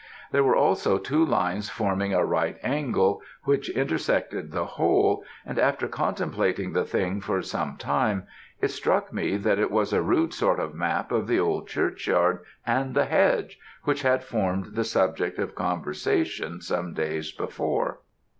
There were also two lines forming a right angle, which intersected the whole, and after contemplating the thing for some time, it struck me that it was a rude sort of map of the old churchyard and the hedge, which had formed the subject of conversation some days before.